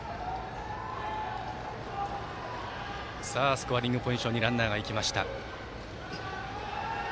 スコアリングポジションにランナーがいきました。